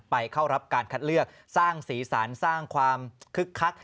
เข้ารับการคัดเลือกสร้างสีสันสร้างความคึกคัก